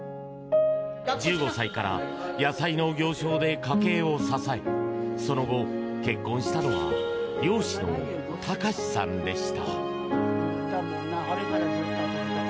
１５歳から野菜の行商で家計を支えその後、結婚したのは漁師の隆さんでした。